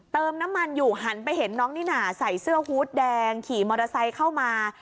เติมน้ำมันอยู่หันไปเห็นน้องนิน่าใส่เสื้อฮูตแดงขี่มอเตอร์ไซค์เข้ามา